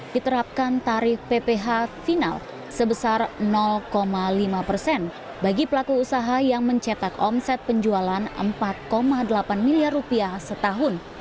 diterapkan tarif pph final sebesar lima persen bagi pelaku usaha yang mencetak omset penjualan empat delapan miliar rupiah setahun